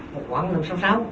một quãng năm sáu mươi sáu